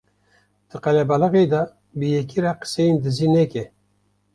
Di qelebalixê de bi yekî re qiseyên dizî neke